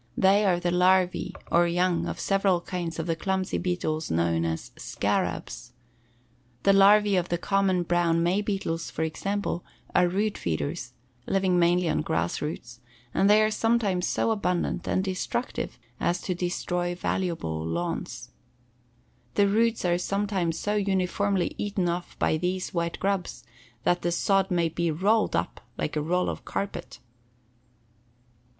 They are the larvæ, or young, of several kinds of the clumsy beetles known as scarabs. The larvæ of the common brown May beetles, for example, are root feeders, living mainly on grass roots, and they are sometimes so abundant and destructive as to destroy valuable lawns. The roots are sometimes so uniformly eaten off by these white grubs that the sod may be rolled up like a roll of carpet.